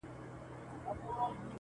یو سړی وو یو یې سپی وو یو یې خروو!!